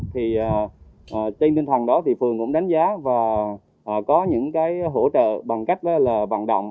thì trên tinh thần đó thì phường cũng đánh giá và có những cái hỗ trợ bằng cách là vận động